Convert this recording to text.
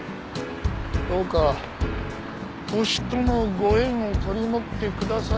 どうかホシとのご縁を取り持ってくださいなってね。